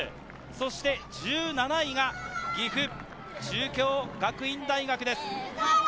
そして１７位が岐阜、中京学院大学です。